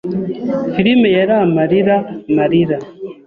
Filime yari amarira-marira.